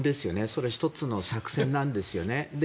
それは１つの作戦なんですよね。